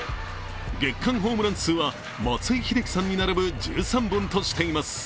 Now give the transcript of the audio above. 月間ホームラン数は松井秀喜さんに並ぶ１３本としています。